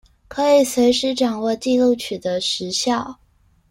可以隨時掌握紀錄取得時效